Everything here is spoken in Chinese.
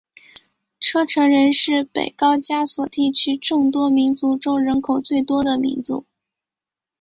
车臣人是北高加索地区众多民族中人口最多的民族。